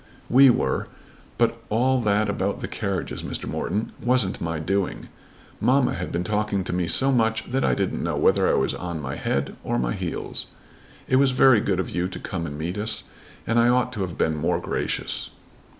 "We were. But all that about the carriages, Mr. Morton, wasn't my doing. Mamma had been talking to me so much that I didn't know whether I was on my head or my heels. It was very good of you to come and meet us, and I ought to have been more gracious."